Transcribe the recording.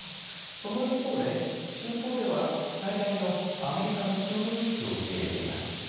その一方で、中東では最大のアメリカの空軍基地を受け入れています。